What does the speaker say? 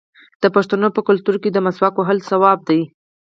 د پښتنو په کلتور کې د مسواک وهل ثواب دی.